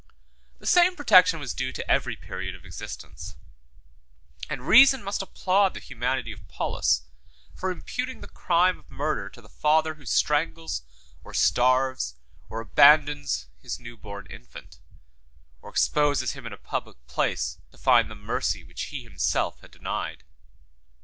111 The same protection was due to every period of existence; and reason must applaud the humanity of Paulus, for imputing the crime of murder to the father who strangles, or starves, or abandons his new born infant; or exposes him in a public place to find the mercy which he himself had denied.